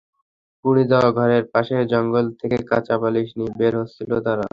পুড়ে যাওয়া ঘরের পাশের জঙ্গল থেকে কাঁথা বালিশ নিয়ে বের হচ্ছিল তারা।